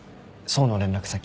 想の連絡先。